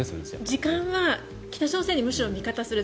時間は北朝鮮にむしろ味方する。